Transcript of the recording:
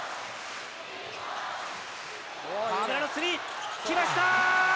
河村のスリー。来ました。